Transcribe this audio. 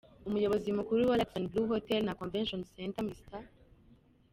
Umuyobozi mukuru wa Radisson Blu Hotel na Convention Center Mr.